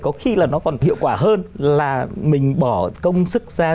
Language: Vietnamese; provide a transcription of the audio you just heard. có khi là nó còn hiệu quả hơn là mình bỏ công sức ra